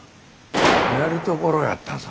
寝るところやったぞ。